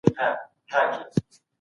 په دفترونو کي باید کارونه ونه ځنډېږي.